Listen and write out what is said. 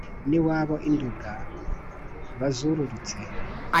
n' iwabo i nduga bazururutse,